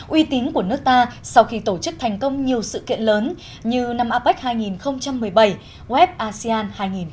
uy tín của nước ta sau khi tổ chức thành công nhiều sự kiện lớn như năm apec hai nghìn một mươi bảy web asean hai nghìn một mươi tám